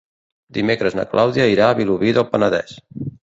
Dimecres na Clàudia irà a Vilobí del Penedès.